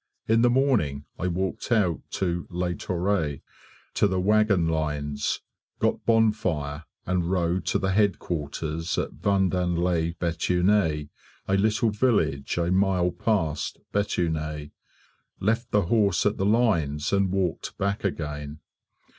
In the morning I walked out to Le Touret to the wagon lines, got Bonfire, and rode to the headquarters at Vendin lez Bethune, a little village a mile past Bethune. Left the horse at the lines and walked back again.